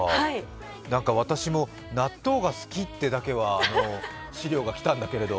私も、納豆が好きっていうだけは資料が来たんだけど。